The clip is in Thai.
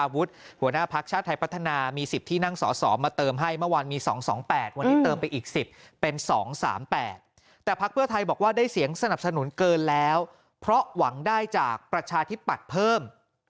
วันมี๒๒๘วันเติมไปอีกสิบเป็น๒๓๘แต่พักเผื่อไทยบอกว่าได้เสียงสนับสนุนเกินแล้วเพราะหวังได้จากประชาชิบหัวเพิ่ม